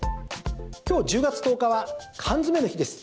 今日１０月１０日は缶詰の日です。